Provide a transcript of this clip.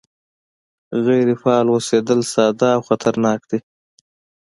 غیر فعال اوسېدل ساده او خطرناک دي